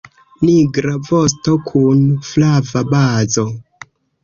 Nigra vosto kun flava bazo.